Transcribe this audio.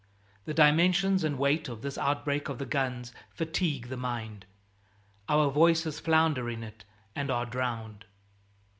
The dimensions and weight of this outbreak of the guns fatigue the mind. Our voices flounder in it and are drowned.